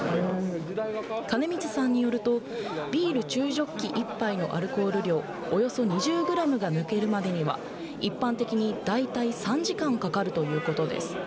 金光さんによるとビール中ジョッキ１杯のアルコール量およそ２０グラムが抜けるまでには一般的にだいたい３時間かかるということです。